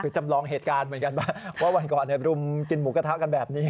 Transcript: คือจำลองเหตุการณ์เหมือนกันว่าวันก่อนรุมกินหมูกระทะกันแบบนี้